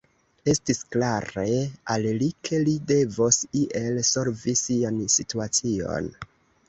Estis klare al li, ke li devos iel solvi sian situacion.